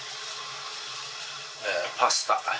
パスタ。